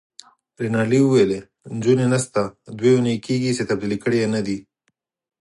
رینالډي وویل: نجونې نشته، دوې اونۍ کیږي چي تبدیلي کړي يې نه دي.